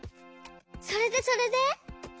それでそれで？